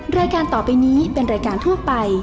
รายการต่อไปนี้เป็นรายการทั่วไป